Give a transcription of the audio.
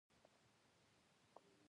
خوښ وم چې په روزنیزو کمپونو کې نه یم.